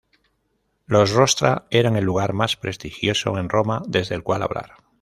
Los rostra eran el lugar más prestigioso en Roma desde el cual hablar.